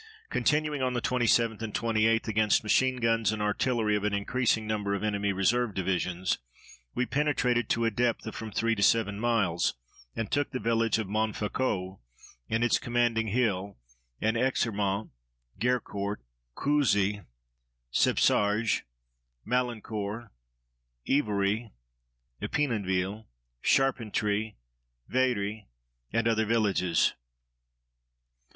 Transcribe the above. Continuing on the 27th and 28th, against machine guns and artillery of an increasing number of enemy reserve divisions, we penetrated to a depth of from three to seven miles and took the village of Montfaucon and its commanding hill and Exermont, Gercourt, Cuisy, Septsarges, Malancourt, Ivoiry, Epinonville, Charpentry, Very, and other villages.